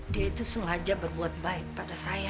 dia itu sengaja berbuat baik pada saya